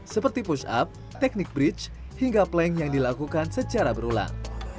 seperti push up teknik bridge hingga plank yang dilakukan secara berulang